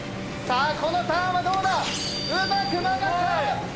このターンはどうだ⁉うまく曲がった！